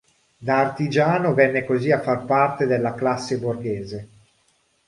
Da artigiano venne così a far parte della classe borghese.